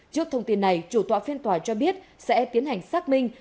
trước thông tin này chủ tọa phiên tòa cho biết sẽ tiến hành xác minh